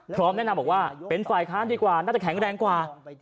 พร้อมแนะนำบอกว่าเป็นฝ่ายค้านดีกว่าน่าจะแข็งแรงกว่า